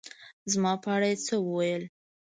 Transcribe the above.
زما په اړه يې څه ووېل